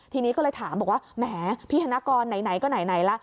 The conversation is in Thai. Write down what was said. ทีนี้ก็เลยถามบอกว่าแหมพี่ธนกรไหนก็ไหนล่ะ